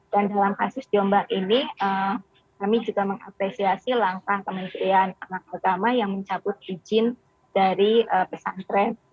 dan dalam kasus jombang ini kami juga mengapresiasi langkah kementerian agama yang mencabut izin dari pesantren